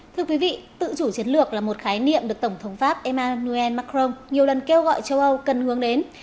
thưa quý vị tự chủ chiến lược là một khái niệm được tổng thống pháp emmanuel macron nhiều lần kêu gọi châu âu cần hướng đến